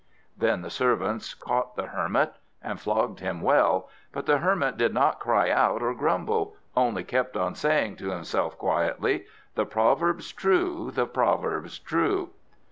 Then the servants caught the Hermit, and flogged him well. But the Hermit did not cry out or grumble, only kept on saying to himself quietly: "The proverb's true, the proverb's true!"